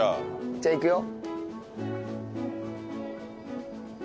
じゃあいくよ。